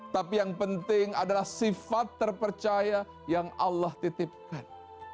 tapi yang penting adalah sifat terpercaya yang allah titipkan